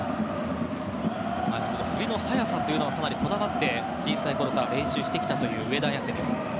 振りの速さというのはかなりこだわって小さいころから練習してきたという上田綺世。